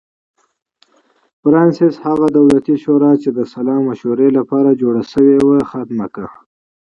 فرانسس هغه دولتي شورا چې د سلا مشورو لپاره جوړه شوې وه منحل کړه.